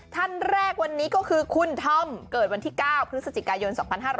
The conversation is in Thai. ท่านแรกวันนี้ก็คือคุณธอมเกิดวันที่๙พฤศจิกายน๒๕๖๐